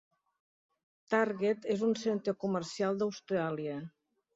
Target és un centre comercial d'Austràlia.